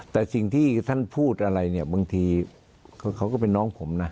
แต่สิ่งที่ท่านพูดอะไรเนี่ยบางทีเขาก็เป็นน้องผมนะ